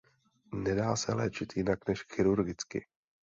Nedá se léčit jinak než chirurgicky.